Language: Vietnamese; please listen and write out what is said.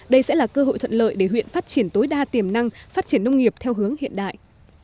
đây sẽ là cơ hội thuận lợi để huyện phát triển tối đa tiềm năng phát triển nông nghiệp theo hướng hiện đại